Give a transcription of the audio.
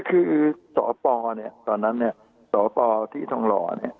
คือสปตอนนั้นสปที่ทองรอ